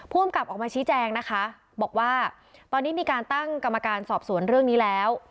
ภูมิกับออกมาชี้แจงนะคะบอกว่าตอนนี้มีการตั้งกรรมการสอบสวนเรื่องนี้แล้ว